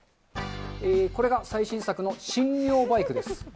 これが最新作のしんにょうバイクです。